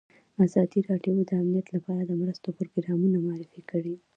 ازادي راډیو د امنیت لپاره د مرستو پروګرامونه معرفي کړي.